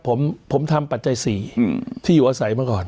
ผมทำปัจจัย๔ที่อยู่อาศัยมาก่อน